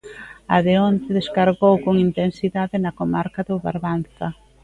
A de onte descargou con intensidade na comarca do Barbanza.